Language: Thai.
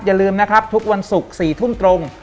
อย่าลืมนะครับทุกวันศุกร์๔ทุ่มตรง